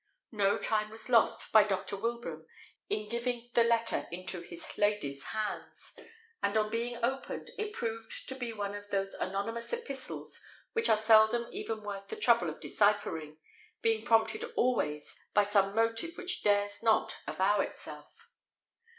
No time was lost by Dr. Wilbraham in giving the letter into his lady's hands; and on being opened, it proved to be one of those anonymous epistles which are seldom even worth the trouble of deciphering, being prompted always by some motive which dares not avow itself.